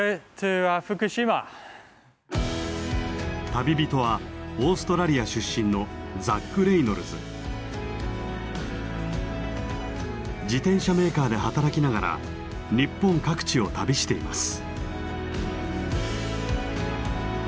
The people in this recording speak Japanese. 旅人はオーストラリア出身の自転車メーカーで働きながら日本各地を旅しています。